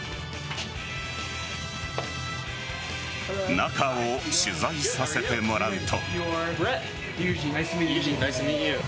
中を取材させてもらうと。